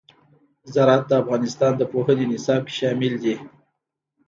زراعت د افغانستان د پوهنې نصاب کې شامل دي.